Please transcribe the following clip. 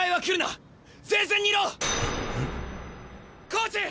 コーチ！